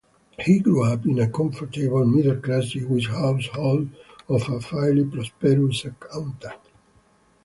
He grew up in a comfortable middle-class Jewish household of a fairly prosperous accountant.